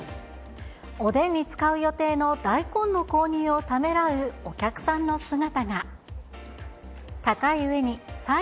おでんに使う予定の大根の購入をためらうお客さんの姿が。